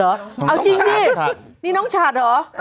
เอาจริงนี่นี่น้องชัดเหรอ